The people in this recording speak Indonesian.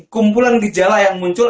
kumpulan gejala yang muncul